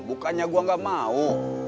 bukannya gue nggak mau